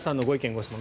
・ご質問